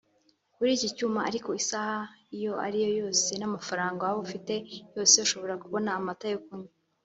Kuri iki cyuma ariko isaha iyo ariyo yose n’amafaranga waba ufite yose ushobora kubona amata yo kunywa